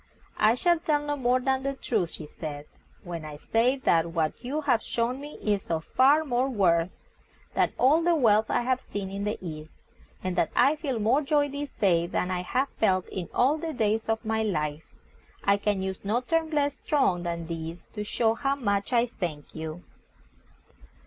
"I shall tell no more than the truth," she said, "when I say that what you have shown me is of far more worth than all the wealth I have seen in the East, and that I feel more joy this day than I have felt in all the days of my life. I can use no terms less strong than these to show how much I thank you."